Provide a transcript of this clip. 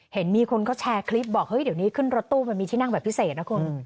เห็นมีคนเขาแชร์คลิปบอกเฮ้ยเดี๋ยวนี้ขึ้นรถตู้มันมีที่นั่งแบบพิเศษนะคุณ